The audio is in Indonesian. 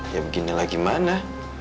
ya beginilah gimana